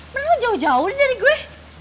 kenapa jauh jauh nih dari gue